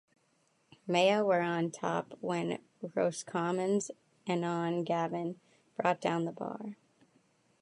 Mayo were on top when Roscommon's Enon Gavin brought down the bar.